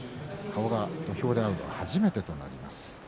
顔が土俵で合うのは初めてとなります。